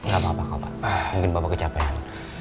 gak apa apa mungkin bapak kecapean